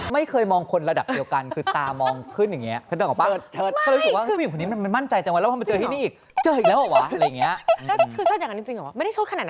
ไม่เคยมองคนระดับเดียวกันคือตามองขึ้นอย่างนี้